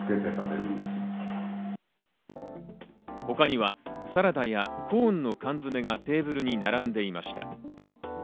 他にはサラダやコーンの缶詰がテーブルに並んでいました。